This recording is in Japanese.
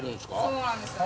そうなんですよ。